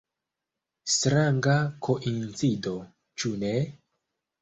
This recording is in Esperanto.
Stranga koincido, ĉu ne?